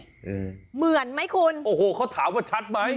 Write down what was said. เหมือนไหมคุณโอ้โหเขาถามว่าชัดไหม